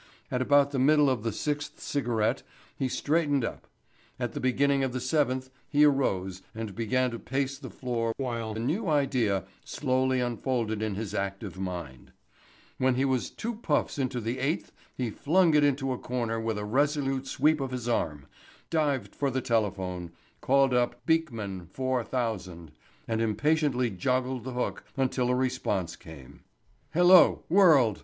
At about the middle of the sixth cigarette he straightened up; at the beginning of the seventh he arose and began to pace the floor while a new idea slowly unfolded in his active mind; when he was two puffs into the eighth he flung it into a corner with a resolute sweep of his arm, dived for the telephone, called up "Beekman 4,000," and impatiently joggled the hook until a response came. "Hello, World?"